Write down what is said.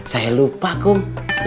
saya lupa kum